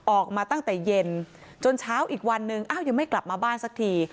ออกมาตั้งแต่เย็นจนเช้าอีกวันนึงอ้าวยังไม่กลับมาบ้านสักที